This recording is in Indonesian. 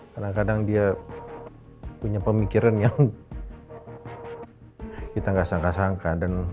kadang kadang dia punya pemikiran yang kita nggak sangka sangka